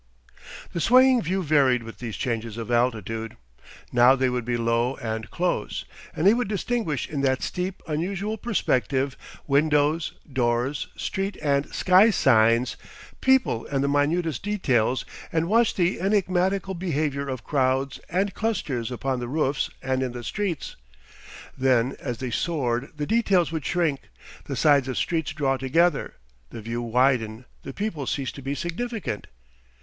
The swaying view varied with these changes of altitude. Now they would be low and close, and he would distinguish in that steep, unusual perspective, windows, doors, street and sky signs, people and the minutest details, and watch the enigmatical behaviour of crowds and clusters upon the roofs and in the streets; then as they soared the details would shrink, the sides of streets draw together, the view widen, the people cease to be significant.